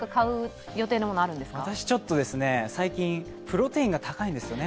私、最近プロテインが高いんですよね。